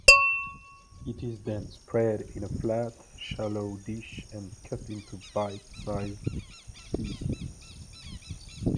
It is then spread in a flat, shallow dish and cut into bite-sized pieces.